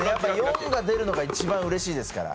４が出るのが一番うれしいですから。